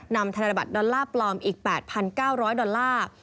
ธนบัตรดอลลาร์ปลอมอีก๘๙๐๐ดอลลาร์